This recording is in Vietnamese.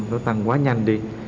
nó tăng quá nhanh đi